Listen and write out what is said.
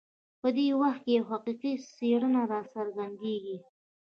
په دې وخت کې یې حقیقي څېره راڅرګندېږي.